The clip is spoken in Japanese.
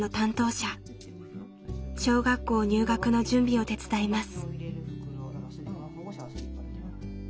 小学校入学の準備を手伝います。